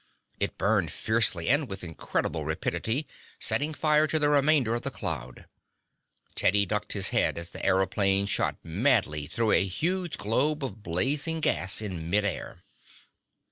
It burned fiercely and with incredible rapidity, setting fire to the remainder of the cloud. Teddy ducked his head as the aëroplane shot madly through a huge globe of blazing gas in mid air.